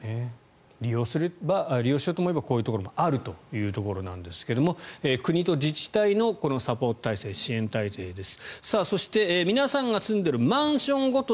利用しようと思えばこういうところもあるということですが国と自治体のサポート体制支援体制です。